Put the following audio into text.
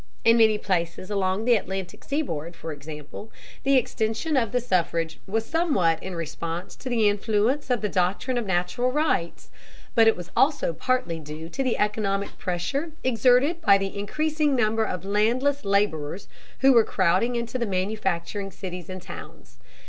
In many places along the Atlantic seaboard, for example, the extension of the suffrage was somewhat in response to the influence of the doctrine of natural rights, but it was also partly due to the economic pressure exerted by the increasing number of landless laborers who were crowding into the manufacturing cities and towns.